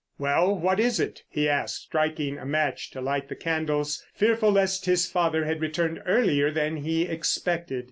"Well, what is it?" he asked, striking a match to light the candles, fearful lest his father had returned earlier than he expected.